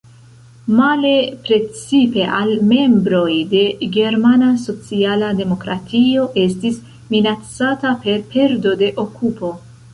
Male precipe al membroj de germana sociala demokratio estis minacata per perdo de okupo.